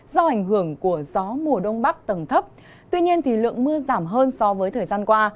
do ảnh hưởng của gió mùa đông bắc tầng thấp tuy nhiên lượng mưa giảm hơn so với thời gian qua